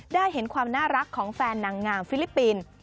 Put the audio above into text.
ได้เห็นความน่ารักของแฟนนางงามฟิลิปปินส์